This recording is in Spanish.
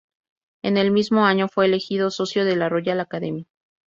En el mismo año fue elegido socio de la Royal Academy.